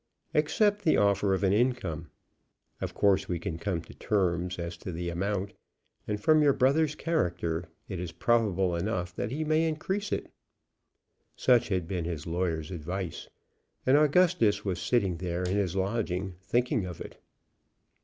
Accept the offer of an income. Of course we can come to terms as to the amount; and from your brother's character it is probable enough that he may increase it." Such had been his lawyer's advice, and Augustus was sitting there in his lodging thinking of it.